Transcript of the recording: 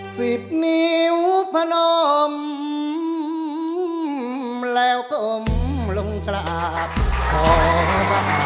สิบนิ้วพะนมแล้วกลมลงกลากของประหารองค์อีก